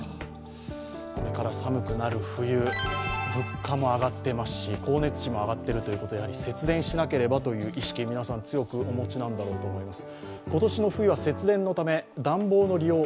これから寒くなる冬、物価も上がってますし光熱費も上がってるということでやはり節電しなければという意識、皆さんお持ちのようです。